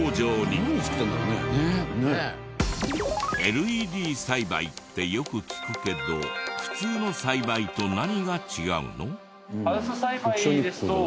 ＬＥＤ栽培ってよく聞くけど普通の栽培と何が違うの？